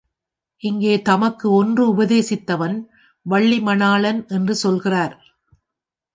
இங்கே தமக்கு ஒன்று உபதேசித்தவன் வள்ளி மணாளன் என்று சொல்கிறார்.